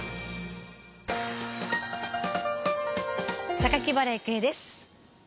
榊原郁恵です。